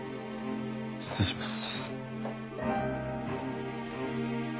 失礼します。